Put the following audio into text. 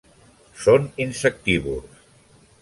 Són insectívors.